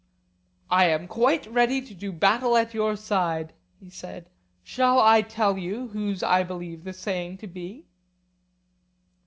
I am quite ready to do battle at your side, he said. Shall I tell you whose I believe the saying to be?